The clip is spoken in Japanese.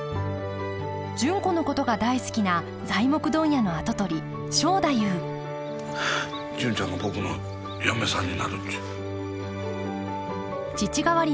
純子のことが大好きな材木問屋の跡取り正太夫純ちゃんが僕の嫁さんになるっちゅう。